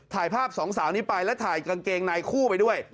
ถ่ายภาพสองสาวนี้ไปแล้วถ่ายกางเกงในคู่ไปด้วย